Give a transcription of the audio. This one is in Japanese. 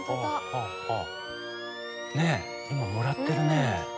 ねえ今もらってるね。